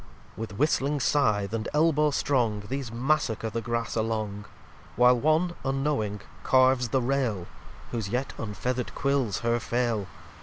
l With whistling Sithe, and Elbow strong, These Massacre the Grass along: While one, unknowing, carves the Rail, Whose yet unfeather'd Quils her fail.